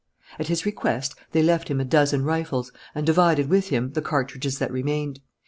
At his request, they left him a dozen rifles, and divided with him the cartridges that remained.